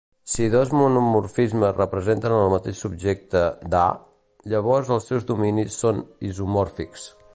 Si dos monomorfismes representen el mateix subobjecte d' "A", llavors els seus dominis són isomòrfics.